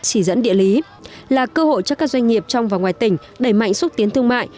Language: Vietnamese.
chỉ dẫn địa lý là cơ hội cho các doanh nghiệp trong và ngoài tỉnh đẩy mạnh xúc tiến thương mại